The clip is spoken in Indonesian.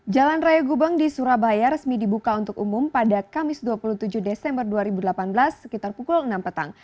jalan raya gubeng di surabaya resmi dibuka untuk umum pada kamis dua puluh tujuh desember dua ribu delapan belas sekitar pukul enam petang